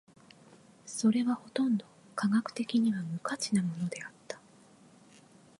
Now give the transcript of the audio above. それはほとんど科学的には無価値なものであった。